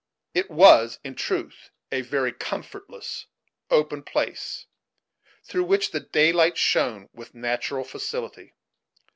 It was, in truth, but a very comfortless open place, through which the daylight shone with natural facility.